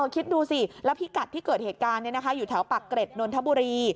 คิดดูสิแล้วพิกัดที่เกิดเหตุการณ์อยู่แถวปากเกร็ดนนทบุรี